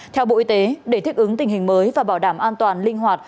theo bộ y tế để thích ứng tình hình mới và bảo đảm an toàn linh hoạt